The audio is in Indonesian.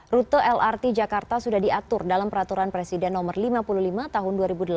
rute lrt jakarta sudah diatur dalam peraturan presiden no lima puluh lima tahun dua ribu delapan belas